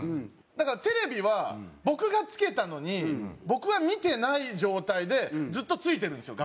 だからテレビは僕がつけたのに僕は見てない状態でずっとついてるんですよ